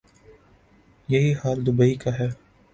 یہی حال دوبئی کا ہے۔